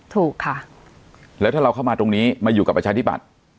ถูกค่ะแล้วถ้าเราเข้ามาตรงนี้มาอยู่กับประชาธิบัติ